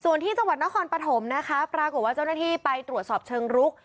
ส่วนที่จังหวัดนครปฐมนะคะปรากฏว่าเจ้าหน้าที่ไปตรวจสอบเชิงรุก